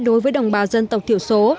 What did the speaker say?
đối với đồng bào dân tộc thiểu số